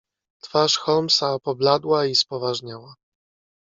"Twarz Holmesa pobladła i spoważniała."